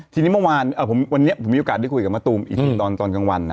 ทีนี้เมื่อวานวันนี้ผมมีโอกาสได้คุยกับมะตูมอีกทีตอนกลางวัน